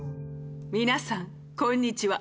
皆さんこんにちは。